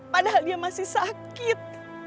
padahal dia masih sakit